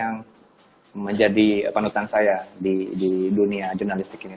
yang menjadi panutan saya di dunia jurnalistik ini